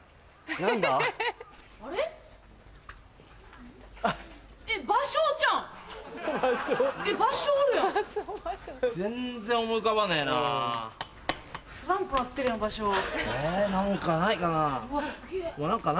何かないかな？